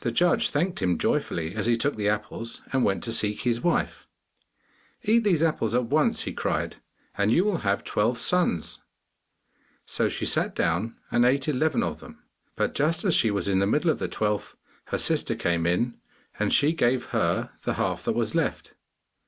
The judge thanked him joyfully as he took the apples, and went to seek his wife. 'Eat these apples at once,' he cried, 'and you will have twelve sons.' So she sat down and ate eleven of them, but just as she was in the middle of the twelfth her sister came in, and she gave her the half that was left.